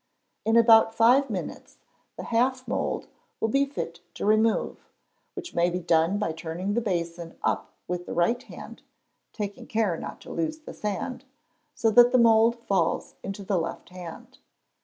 In about five minutes the half mould will be fit to remove, which may be done by turning the basin up with the right hand (taking care not to lose the sand), so that the mould falls into the left hand.